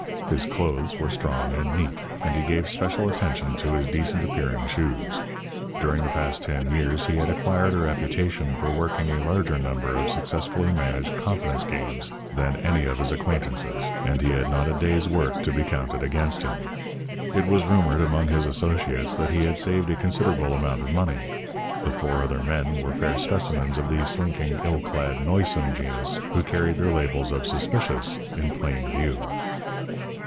His clothes were strong and neat, and he gave special attention to his decent appearing shoes. During the past ten years he had acquired a reputation for working a larger number of successfully managed confidence games than any of his acquaintances, and he had not a day's work to be counted against him. It was rumoured among his associates that he had saved a considerable amount of money. The four other men were fair specimens of the slinking, ill clad, noisome genus who carried their labels of "suspicious" in plain view.